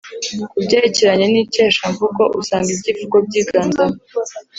ku byerekeranye n’ikeshamvugo, usanga ibyivugo byiganzamo